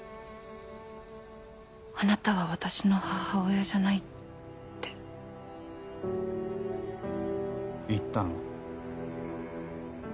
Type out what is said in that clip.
あなたは私の母親じゃないって言ったの？